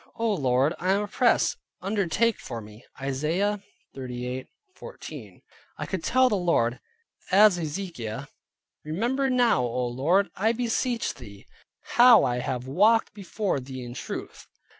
Oh, Lord, I am oppressed; undertake for me" (Isaiah 38.14). I could tell the Lord, as Hezekiah, "Remember now O Lord, I beseech thee, how I have walked before thee in truth."